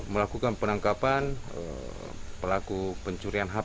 melakukan penangkapan pelaku pencurian hp